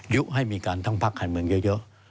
ยุให้มีการทั้งพรรคขานเมืองเยอะ